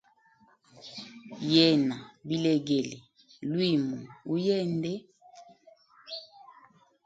Yena bilegele lwimu uyende.